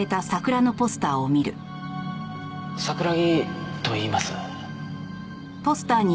桜木といいます。